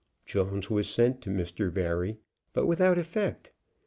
Jones was sent to Mr. Barry, but without effect.